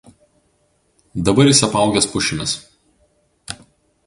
Dabar jis apaugęs pušimis.